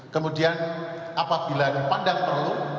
kemudian apabila dipandang perlu